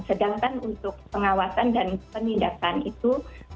sedangkan untuk pengawasan dan penindakan itu